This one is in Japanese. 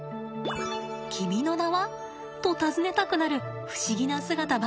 君の名は？と尋ねたくなる不思議な姿ばかり。